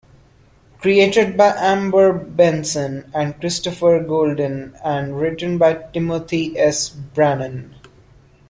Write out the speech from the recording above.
Created by Amber Benson and Christopher Golden and written by Timothy S. Brannan.